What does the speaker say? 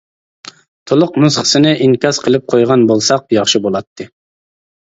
تولۇق نۇسخىسىنى ئىنكاس قىلىپ قويغان بولساق ياخشى بولاتتى.